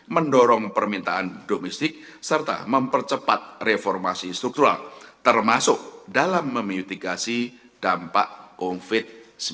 mendorong permintaan domestik serta mempercepat reformasi struktural termasuk dalam memitigasi dampak covid sembilan belas